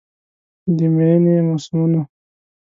د میینې موسمونه